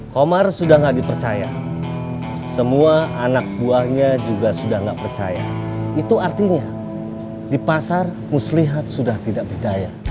komar sudah tidak dipercaya semua anak buahnya juga sudah tidak percaya itu artinya di pasar muslihat sudah tidak berdaya